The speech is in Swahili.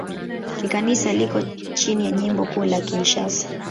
Kikanisa liko chini ya Jimbo Kuu la Kinshasa.